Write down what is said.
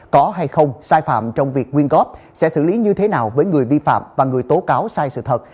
có hay không sai phạm trong việc nguyên góp sẽ xử lý như thế nào với người vi phạm và người tố cáo sai sự thật